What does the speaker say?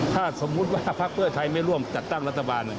ถ้าสมมุติว่าพักเพื่อไทยไม่ร่วมจัดตั้งรัฐบาล